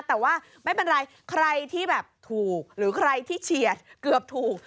แต่ว่าไม่เป็นไรใครที่แบบถูกหรือใครที่เชียร์เกือบถูก